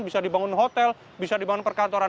bisa dibangun hotel bisa dibangun perkantoran